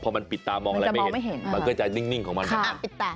เพราะมันปิดตามองอะไรไม่เห็นมันก็จะนิ่งของมันนะฮะค่ะปิดตา